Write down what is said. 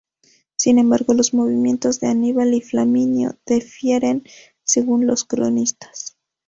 Sin embargo, los movimientos de Aníbal y Flaminio difieren según los cronistas.